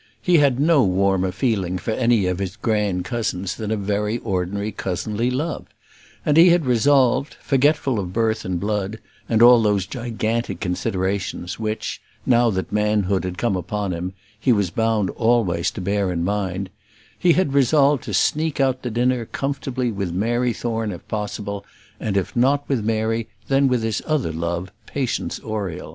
He had no warmer feeling for any of the grand cousins than a very ordinary cousinly love; and he had resolved, forgetful of birth and blood, and all those gigantic considerations which, now that manhood had come upon him, he was bound always to bear in mind, he had resolved to sneak out to dinner comfortably with Mary Thorne if possible; and if not with Mary, then with his other love, Patience Oriel.